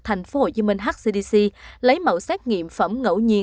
tp hcm lấy mẫu xét nghiệm phẩm ngẫu nhiên